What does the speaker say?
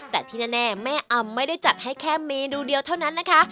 แต่ที่แน่แม่อำไม่ได้จัดให้แค่เมนูเดียวเท่านั้นนะคะ